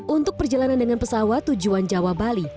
untuk perjalanan dengan pesawat tujuan jawa bali